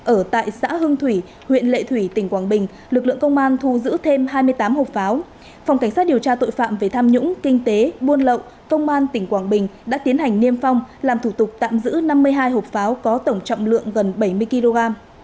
ở tại xã hưng thủy huyện lệ thủy tỉnh quảng bình lực lượng công an thu giữ thêm hai mươi tám hộp pháo phòng cảnh sát điều tra tội phạm về tham nhũng kinh tế buôn lậu công an tỉnh quảng bình đã tiến hành niêm phong làm thủ tục tạm giữ năm mươi hai hộp pháo có tổng trọng lượng gần bảy mươi kg